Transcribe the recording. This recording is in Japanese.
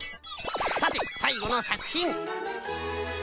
さてさいごのさくひん。